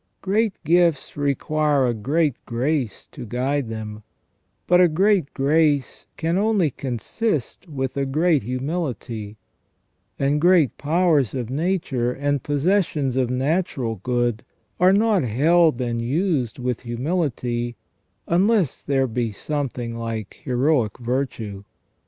Great gifts require a great grace to guide them ; but a great grace can only consist with a great humility, and great powers of nature and possessions of natural good are not held and used with humility, unless there be some thing like heroic virtue.